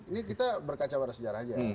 ini kita berkacau pada sejarah aja